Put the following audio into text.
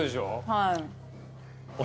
はい。